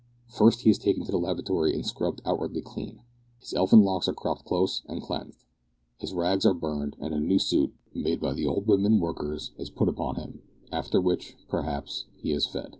First he is taken to the lavatory and scrubbed outwardly clean. His elfin locks are cropped close and cleansed. His rags are burned, and a new suit, made by the old women workers, is put upon him, after which, perhaps, he is fed.